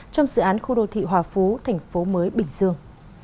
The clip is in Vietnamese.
trong dự án khu đô thị hòa phú thành phố mới bình dương